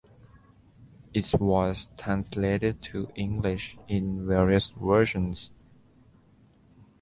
It was translated to English in various versions.